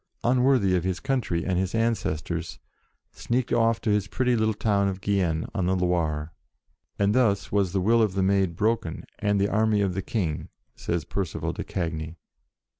unworthy of his coun try and his ancestors, sneaked off to his pretty little town of Gien, on the Loire. "And thus was the will of the Maid broken, and the army of the King," says Percival de Cagny.